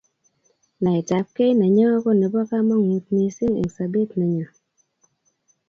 naet ab kee nenyon ko nebo kamangut missing eng sabet nenyo